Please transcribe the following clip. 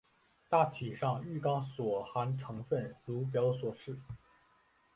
大体上玉钢所含成分如表所示。